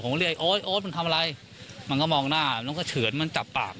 ผมก็เลยโอ๊ยโอ๊ตมันทำอะไรมันก็มองหน้ามันก็เฉือนมันจับปาก